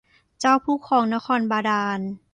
เจ้าผู้ครองนครบาดาล